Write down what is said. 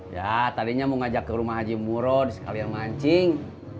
ya tadinya mau ngajak ke rumah haji muro sekalian mancing